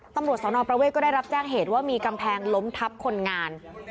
ตำรวจสนประเวทก็ได้รับแจ้งเหตุว่ามีกำแพงล้มทับคนงาน